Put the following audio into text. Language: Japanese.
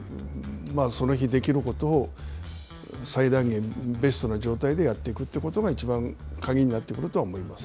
焦らずに、その日できることを最大限、ベストな状態でやっていくということがいちばん鍵になってくるとは思います。